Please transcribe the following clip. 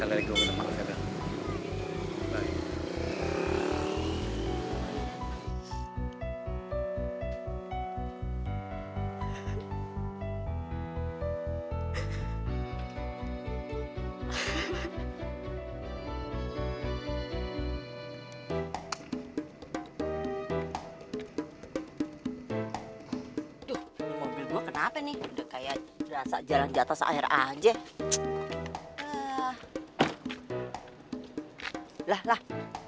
assalamualaikum warahmatullahi wabarakatuh